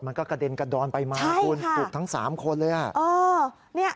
น้ำกรดกระดนกะดอนปลูกทั้ง๓คนเลย